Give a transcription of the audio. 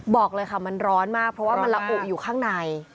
บอกเลยค่ะมันร้อนมากเพราะว่ามันละอุอยู่ข้างใน